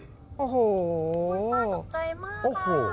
คุณป้าตกใจมาก